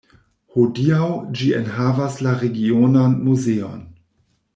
Hodiaŭ ĝi enhavas la regionan muzeon.